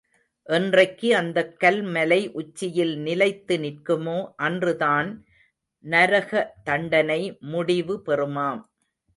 என்றைக்கு அந்தக்கல் மலை உச்சியில் நிலைத்து நிற்குமோ அன்றுதான் நரக தண்டனை முடிவு பெறுமாம்.